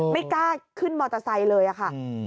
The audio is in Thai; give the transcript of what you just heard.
ไม่กล้าขึ้นมอเตอร์ไซค์เลยค่ะ